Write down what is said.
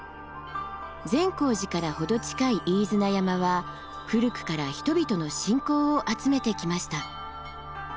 善光寺から程近い飯縄山は古くから人々の信仰を集めてきました。